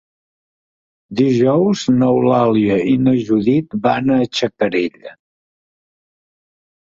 Dijous n'Eulàlia i na Judit van a Xacarella.